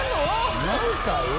何歳？